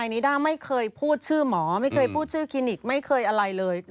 นิด้าไม่เคยพูดชื่อหมอไม่เคยพูดชื่อคลินิกไม่เคยอะไรเลย